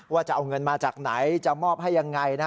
จะเอาเงินมาจากไหนจะมอบให้ยังไง